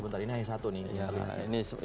sebentar ini hanya satu nih